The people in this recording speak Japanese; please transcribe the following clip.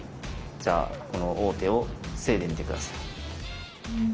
じゃあこの王手を防いでみて下さい。